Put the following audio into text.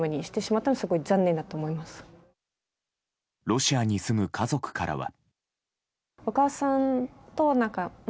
ロシアに住む家族からは。